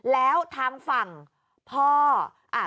แล้วทางฝั่งพ่ออ่ะ